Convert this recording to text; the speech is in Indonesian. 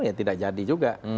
ya tidak jadi juga